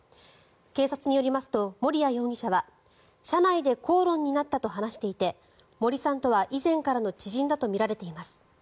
警察によりますと、森谷容疑者は車内で口論になったと話していて森さんとは以前からの知人だとみられています。